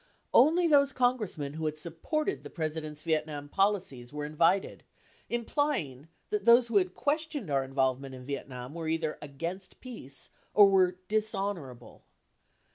Only those Congressmen who had supported the President's Vietnam policies were invited, implying that those who had questioned our involve ment in Vietnam were either against peace or w T ere dishonorable.